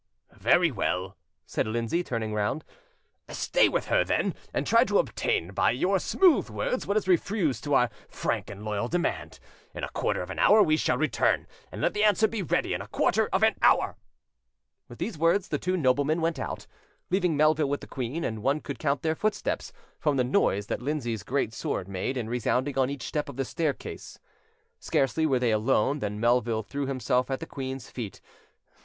"Very well," said Lindsay, turning round, "stay with her, then, and try to obtain by your smooth words what is refused to our frank and loyal demand. In a quarter of an hour we shall return: let the answer be ready in a quarter of an hour!" With these words, the two noblemen went out, leaving Melville with the queen; and one could count their footsteps, from the noise that Lindsay's great sword made, in resounding on each step of the staircase. Scarcely were they alone than Melville threw himself at the queen's feet.